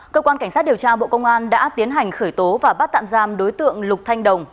cơ quan cảnh sát điều tra bộ công an đã tiến hành khởi tố và bắt tạm giam đối tượng lục thanh đồng